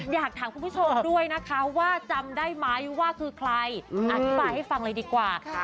อย่าบอกจำไว้ถ้าไม่มีใครว่า